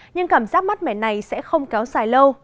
nhưng cảm giác mát mẻ này sẽ không kéo dài lâu